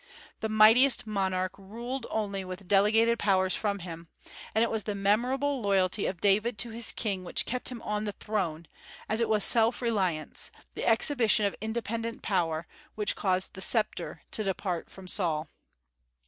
The mightiest monarch ruled only with delegated powers from Him; and it was the memorable loyalty of David to his King which kept him on the throne, as it was self reliance the exhibition of independent power which caused the sceptre to depart from Saul.